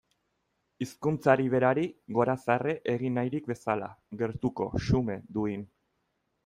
Hizkuntzari berari gorazarre egin nahirik bezala, gertuko, xume, duin.